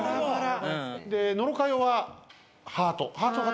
で野呂佳代はハート。